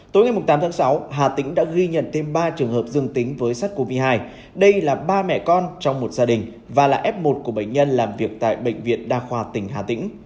tối ngày tám tháng sáu hà tĩnh đã ghi nhận thêm ba trường hợp dương tính với sars cov hai đây là ba mẹ con trong một gia đình và là f một của bệnh nhân làm việc tại bệnh viện đa khoa tỉnh hà tĩnh